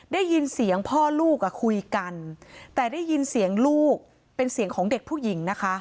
ได้ยินเสียงพ่อลูกอ่ะคุยกันแต่ได้ยินเสียงลูกเป็นเสียงของเด็กผู้หญิงนะคะ